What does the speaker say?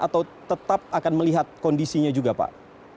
atau tetap akan melihat kondisinya juga pak